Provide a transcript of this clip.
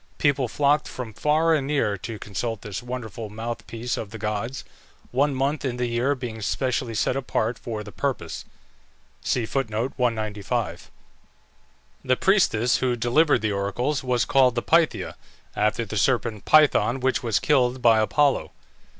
People flocked from far and near to consult this wonderful mouth piece of the gods, one month in the year being specially set apart for the purpose. The priestess who delivered the oracles was called the Pythia, after the serpent Python, which was killed by Apollo.